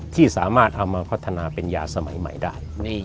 ที่สามารถเอามาพัฒนาเป็นยาสมัยใหม่ได้